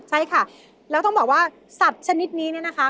ใช่ค่ะแล้วต้องบอกว่าสัตว์ชนิดนี้เนี่ยนะคะ